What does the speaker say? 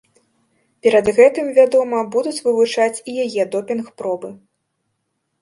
Перад гэтым, вядома, будуць вывучаць і яе допінг-пробы.